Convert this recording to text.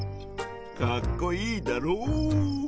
かっこいいだろう？